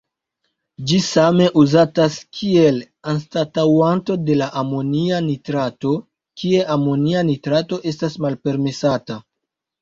Ĝi same uzatas kiel anstataŭanto de la amonia nitrato, kie amonia nitrato estas malpermesata.